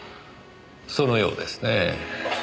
そのようですねぇ。